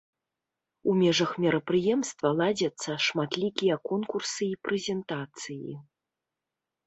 У межах мерапрыемства ладзяцца шматлікія конкурсы і прэзентацыі.